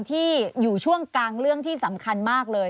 ที่อยู่ช่วงกลางเรื่องที่สำคัญมากเลย